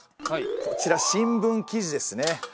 こちら新聞記事ですね。